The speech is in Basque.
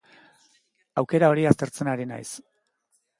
Aukera hori aztertzen ari naiz.